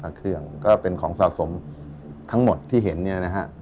เครื่องก็เป็นของสะสมทั้งหมดที่เห็นเนี่ยนะฮะ